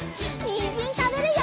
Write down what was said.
にんじんたべるよ！